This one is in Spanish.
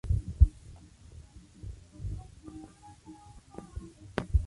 Sin embargo, la calma no llegó a la Federación.